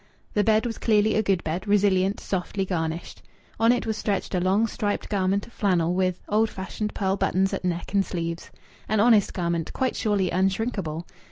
The bed was clearly a good bed, resilient, softly garnished. On it was stretched a long, striped garment of flannel, with old fashioned pearl buttons at neck and sleeves. An honest garment, quite surely unshrinkable!